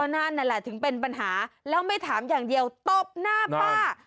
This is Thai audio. นั่นแหละถึงเป็นปัญหาแล้วไม่ถามอย่างเดียวตบหน้าป้า